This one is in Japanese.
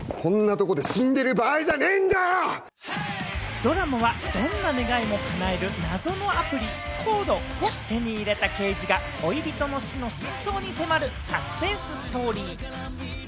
ドラマはどんな願いも叶える謎のアプリ「ＣＯＤＥ」を手に入れた刑事が恋人の死の真相に迫るサスペンスストーリー。